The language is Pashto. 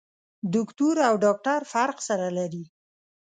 دوکتور او ډاکټر فرق سره لري.